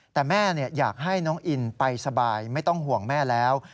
แต่แม่อยากให้น้องอินไปสบายไม่ต้องห่วงแม่แล้ว